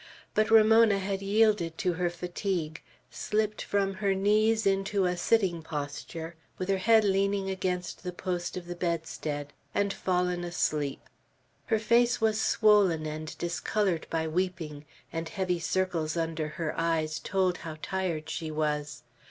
But Ramona had yielded to her fatigue; slipped from her knees into a sitting posture, with her head leaning against the post of the bedstead, and fallen asleep. Her face was swollen and discolored by weeping, and heavy circles under her eyes told how tired she was.